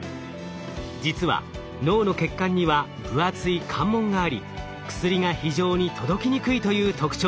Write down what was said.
実は脳の血管には分厚い関門があり薬が非常に届きにくいという特徴が。